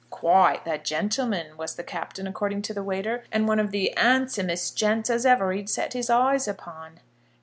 "Quite the gentleman," was the Captain, according to the waiter, and one of the "handsomest gents as ever he'd set his eyes upon."